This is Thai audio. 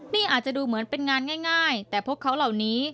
นี่อาจจะดูเหมือนเป็นงานง่ายแต่พวกเขาเหล่านี้